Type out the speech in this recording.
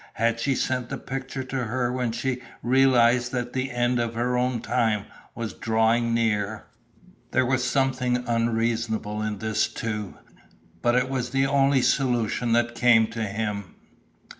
Had she sent the picture to her when she realized that the end of her own time was drawing near? There was something unreasonable in this too, but it was the only solution that came to him.